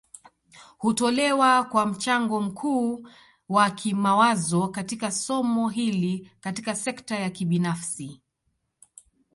Hutolewa kwa mchango mkuu wa kimawazo katika somo hili Katika sekta ya kibinafsi